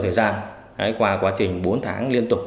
thời gian qua quá trình bốn tháng liên tục